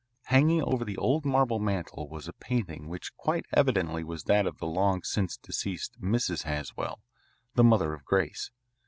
Hanging over the old marble mantel was a painting which quite evidently was that of the long since deceased Mrs. Haswell, the mother of Grace.